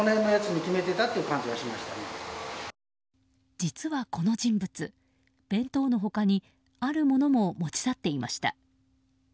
実はこの人物、弁当の他にあるものも持ち去っていました。